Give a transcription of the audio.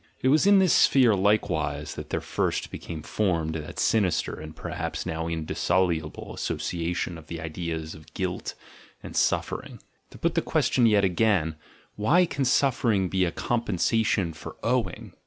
It was in this sphere likewise that there first became formed that sinister and perhaps now indissoluble association of the ideas of "guilt" and "suf fering." To put the question yet again, why can suffer ing be a compensation for "owing"?